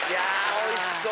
おいしそう。